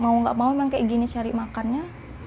memang udah mau gak mau kayak gini cari makannya